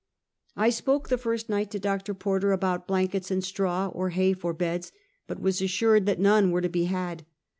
I spoke the first night to Dr. Porter about blankets and straw, or hay for beds, but was assured that none were to be had.